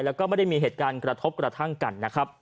แล้วก็ไม่ได้มีเหตุการณ์กระทบกระทั่งกันนะครับ